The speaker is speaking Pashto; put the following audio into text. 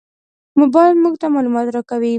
موبایل موږ ته معلومات راکوي.